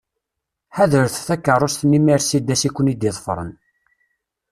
Ḥadret takeṛṛust-nni Mercedes i ken-id-iḍefren.